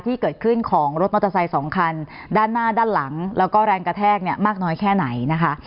ที่เกิดขึ้นของรถมอเตอร์ไซค์สองคันด้านหน้าด้านหลังแล้วก็แรงกระแทกเนี่ยมากน้อยแค่ไหนนะคะ